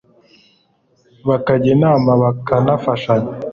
bakajya inama bakanafashanya